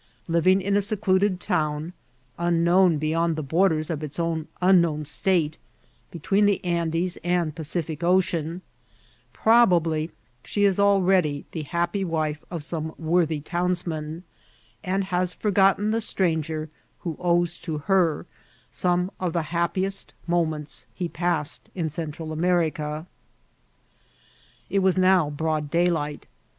Living in a se eluded town, unknown beyond the borders of its own unknown state, between the Andes and Pacific Ocean, probably she is already the happy wife of some worthy townsman, and has forgotten the stranger who owes to her some of the happiest moments he passed in Central America. It was now broad daylight.